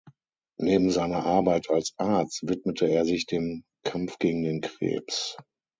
Neben seiner Arbeit als Arzt widmete er sich dem Kampf gegen den Krebs.